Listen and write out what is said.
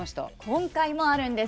今回もあるんです。